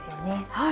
はい。